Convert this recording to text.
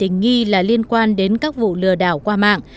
đây là những người bị tình nghi là liên quan đến các vụ lừa đảo qua mạng